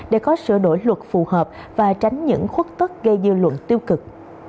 để có sửa đổi luật phù hợp và tránh những khuất tức gây dư luận tiêu cực